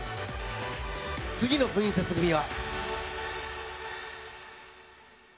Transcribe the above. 次のプリンセス組は。